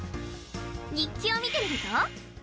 日記を見てみると。